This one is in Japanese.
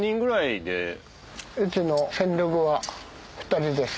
うちの戦力は２人です。